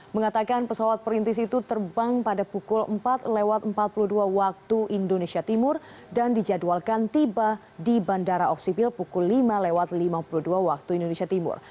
mengatakan pesawat perintis itu terbang pada pukul empat lewat empat puluh dua waktu indonesia timur dan dijadwalkan tiba di bandara oksibil pukul lima lewat lima puluh dua waktu indonesia timur